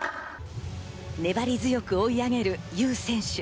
粘り強く追い上げるユー選手。